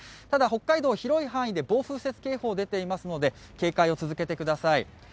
ただ北海道、広い範囲で暴風雪警報が出ていますので、警戒を続けてください。